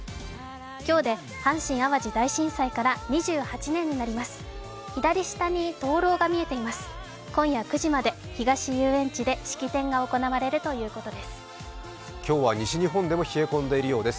今日で阪神・淡路大震災から２８年になります。